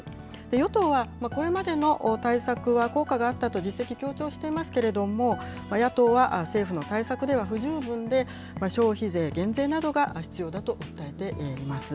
与党はこれまでの対策は効果があったと実績、強調していますけれども、野党は政府の対策では不十分で、消費税減税などが必要だと訴えています。